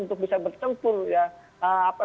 untuk bisa bertempur